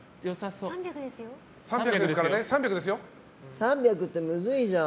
３００ってむずいじゃん！